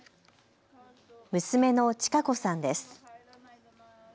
娘の央子さんです。